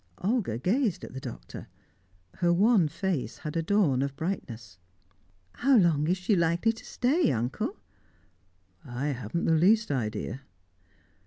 Olga gazed at the Doctor. Her wan face had a dawn of brightness. "How long is she likely to stay, uncle?" "I haven't the least idea."